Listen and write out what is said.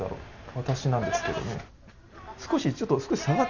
私なんですけどね。